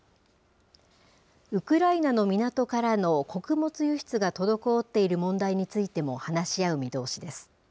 ウクライナの港からの穀物輸出が滞っている問題についても、話し合う見通しです。